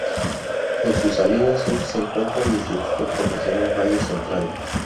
En su salida sur se encuentra el Instituto Profesional Valle Central.